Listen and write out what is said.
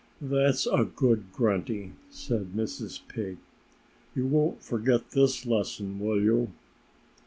"That's a good Grunty," said Mrs. Pig. "You won't forget this lesson, will you?"